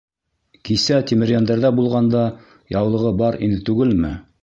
Кисә Тимерйәндәрҙә булғанда яулығы бар ине түгелме?